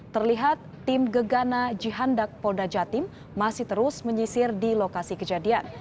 terlihat tim gegana jihandak polda jatim masih terus menyisir di lokasi kejadian